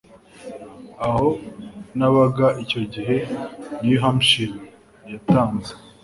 Aho nabaga icyo gihe, New Hampshire yatanze